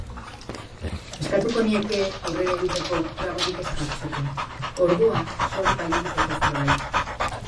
Eskatuko nieke aurrera egiteko, trabarik ez jartzeko, orduan sor bailiteke zerbait.